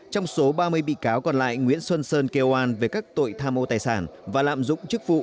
trong số ba mươi bị cáo còn lại nguyễn xuân sơn kêu an về các tội tham ô tài sản và lạm dụng chức vụ